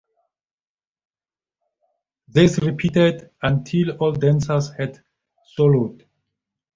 This repeated until all dancers had soloed.